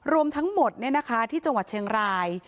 รวมทั้งหมดที่จังหวัดเชียงราย